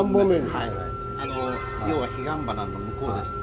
要はヒガンバナの向こうです。